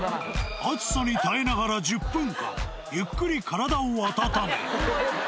熱さに耐えながら１０分間、ゆっくり体を温め。